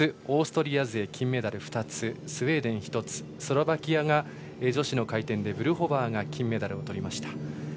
オーストリア勢金メダル２つスウェーデン１つスロバキアが女子の回転でブルホバーが金メダルをとりました。